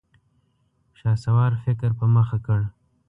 شهسوار فکر په مخه کړ.